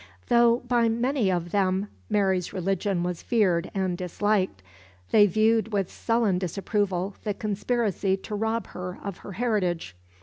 Though by many of them Mary's religion was feared and disliked, they viewed with sullen disapproval the conspiracy to rob her of her heritage.